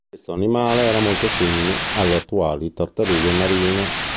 Questo animale era molto simile alle attuali tartarughe marine.